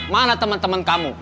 mana temen temen kamu